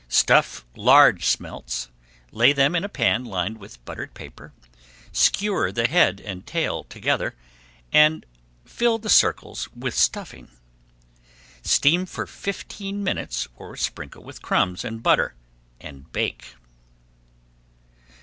Stuff large smelts, lay them in a pan lined with buttered paper, skewer the head and tail together, and fill the circles with stuffing. Steam for fifteen minutes or sprinkle with crumbs and butter and bake.